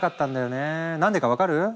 何でか分かる？